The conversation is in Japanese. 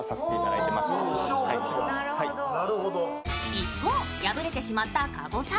一方、敗れてしまった加護さん。